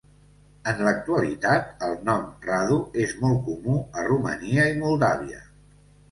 En l'actualitat, el nom Radu és molt comú a Romania i Moldàvia.